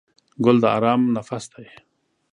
ګل د آرام نفس دی.